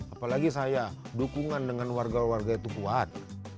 apalagi saya dukungan dengan warga warga itu kuat